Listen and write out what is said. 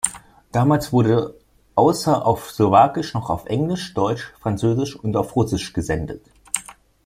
Damals wurde außer auf Slowakisch noch auf Englisch, Deutsch, Französisch und auf Russisch gesendet.